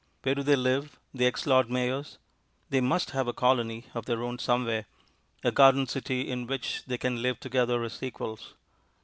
Where do they live, the ex Lord Mayors? They must have a colony of their own somewhere, a Garden City in which they can live together as equals.